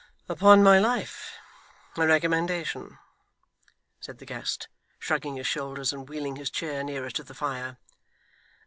'Upon my life, a recommendation!' said the guest, shrugging his shoulders and wheeling his chair nearer to the fire.